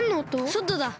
そとだ！